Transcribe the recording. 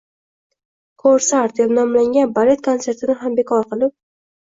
«Korsar» deb nomlangan balet konsertini ham bekor qilib